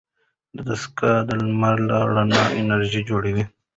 دستګاه د لمر له رڼا انرژي جوړوي.